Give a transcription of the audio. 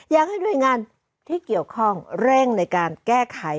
อยากให้หน่วยงานที่เกี่ยวข้องเร่งในการแก้ไข